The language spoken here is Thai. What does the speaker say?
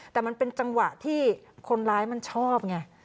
แต่มันเป็นจังหวะที่คนร้ายมันชอบไง